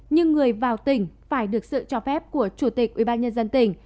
nhưng người vào tỉnh phải được sự cho phép của chủ tịch ubnd tỉnh